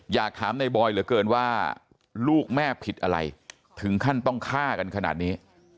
อยากถามในบอยเหลือเกินว่าลูกแม่ผิดอะไรถึงขั้นต้องฆ่ากันขนาดนี้